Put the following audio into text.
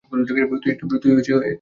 তুই একটা ইঁদুর।